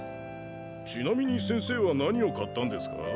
ちなみに先生は何を買ったんですか？